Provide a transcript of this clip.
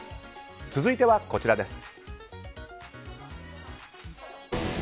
続いては、こちらです。